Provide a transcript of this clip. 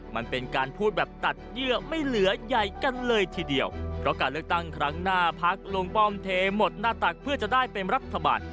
มันเป็นการพูดแบบตัดเยื่อไม่เหลือใหญ่กันเลยทีเดียวเพราะการเลือกตั้งครั้งหน้าพักลุงป้อมเทหมดหน้าตักเพื่อจะได้เป็นรัฐบาล